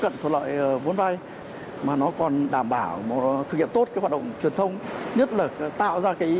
cận thuận lợi vốn vay mà nó còn đảm bảo thực hiện tốt cái hoạt động truyền thông nhất là tạo ra cái